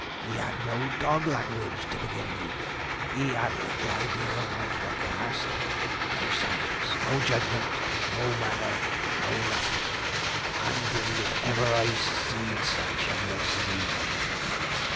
He had no dog language, to begin with he had little idea of making a cast no science, no judgement, no manner no nothin' I'm dim'd if ever I see'd sich a mess as he made.'